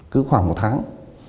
cứ khoảng một tháng